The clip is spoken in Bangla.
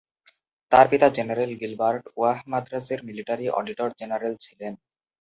তার পিতা জেনারেল গিলবার্ট ওয়াহ মাদ্রাজের মিলিটারি অডিটর-জেনারেল ছিলেন।